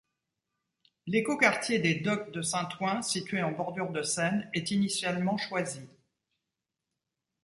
L'écoquartier des Docks de Saint-Ouen situé en bordure de Seine est initialement choisi.